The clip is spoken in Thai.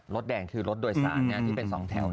แดงคือรถโดยสารที่เป็น๒แถว